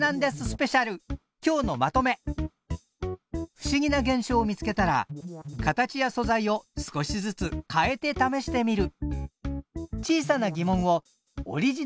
不思議な現象を見つけたら形や素材を少しずつ変えて試してみる。